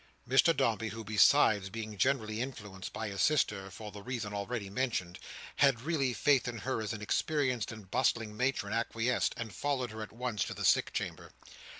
Mr Dombey, who, besides being generally influenced by his sister for the reason already mentioned, had really faith in her as an experienced and bustling matron, acquiesced; and followed her, at once, to the sick chamber.